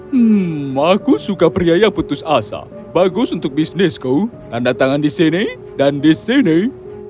hmm aku suka pria yang putus asa bagus untuk bisnisku tanda tangan di sini dan di sini